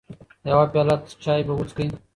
يوه پياله چاى به وچکې .